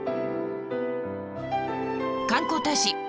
観光大使！